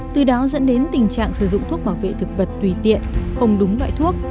từ đó dẫn đến tình trạng sử dụng thuốc bảo vệ thực vật tùy tiện không đúng loại thuốc